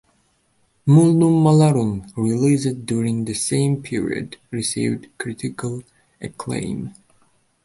"Mullum Malarum", released during the same period, received critical acclaim.